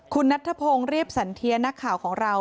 คุณนัทธพงศ์เรียบสันเทียนักข่าวของเรา